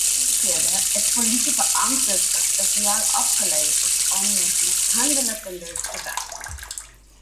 Hierdie eenhede het polisiebeamptes wat spesiaal opgelei is om met mishandelde kinders te werk.